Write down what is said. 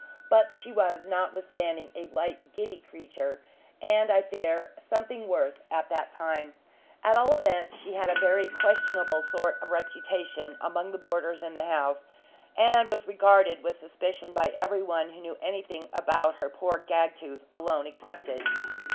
But she was notwithstanding a light, giddy creature and, I fear, something worse, at that time. At all events, she had a very questionable sort of reputation among the boarders in the house, and was regarded with suspicion by everyone who knew anything about her poor Gagtooth alone excepted.